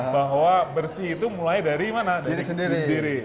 bahwa bersih itu mulai dari mana dari diri